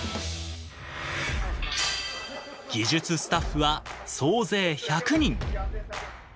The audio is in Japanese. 技術スタッフは総勢１００人。